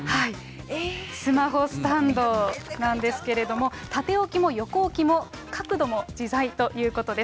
スマホスタンドなんですけれども、縦置きも横置きも角度も自在ということです。